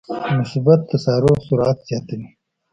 مثبت تسارع سرعت زیاتوي.